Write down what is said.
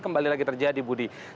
kembali lagi terjadi budi